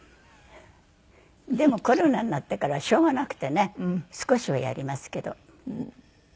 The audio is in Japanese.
でもコロナになってからはしょうがなくてね少しはやりますけど。